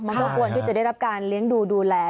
มันก็ควรที่จะได้รับการเลี้ยงดูดูแล